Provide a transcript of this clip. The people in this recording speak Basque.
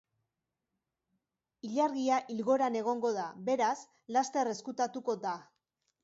Ilargia ilgoran egongo da, beraz, laster ezkutatuko da.